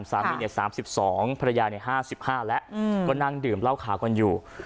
สามีเนี่ย๓๒ภรรยาเนี่ย๕๕แล้วก็นั่งดื่มเล่าขาก่อนอยู่